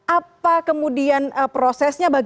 apa kemudian prosesnya berarti